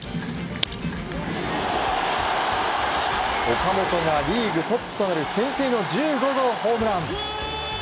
岡本がリーグトップとなる先制の１５号ホームラン。